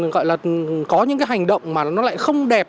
gọi là có những cái hành động mà nó lại không đẹp